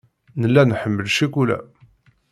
Nella nḥemmel ccikula.